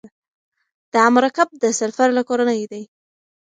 دا مرکب د سلفر له کورنۍ دی.